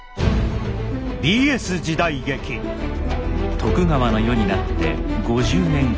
徳川の世になって５０年余り。